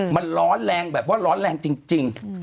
มันร้อนแรงแบบว่าร้อนแรงจริง